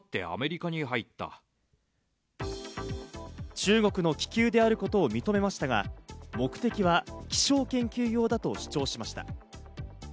中国の気球であることを認めましたが、目的は気象研究用だと主張しました。